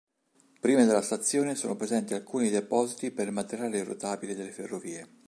Prima della stazione, sono presenti alcuni depositi per il materiale rotabile delle ferrovie.